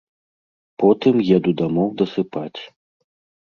Потым еду дамоў дасыпаць.